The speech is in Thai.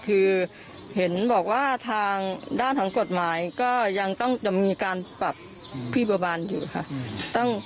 คือเห็นบอกว่าทางด้านของกฎหมายก็ยังต้องมีการปรับพี่บัวบานอยู่ค่ะ